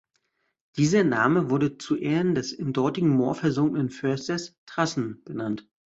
Dieser Name wurde zu Ehren des im dortigen Moor versunkenen Försters "Trassen" benannt.